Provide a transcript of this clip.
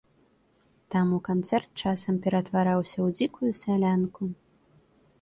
Таму канцэрт часам ператвараўся ў дзікую салянку.